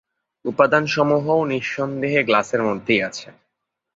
উপাদানসমূহও নিঃসন্দেহে গ্লাসের মধ্যেই আছে।